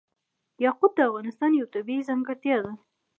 یاقوت د افغانستان یوه طبیعي ځانګړتیا ده.